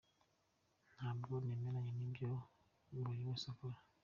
Ntabwo nemeranya n’ibyo buri wese akora.